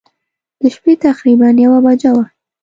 د شپې تقریباً یوه بجه وه.